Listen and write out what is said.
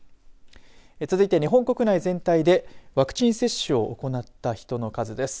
続いて日本国内全体でワクチン接種を行った人の数です。